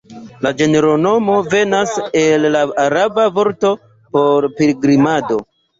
La genronomo venas el la araba vorto por "pilgrimado".